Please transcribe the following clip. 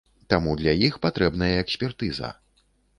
Таму для іх патрэбная экспертыза.